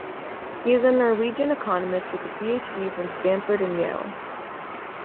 He is a Norwegian economist, with a PhD from Stanford and Yale.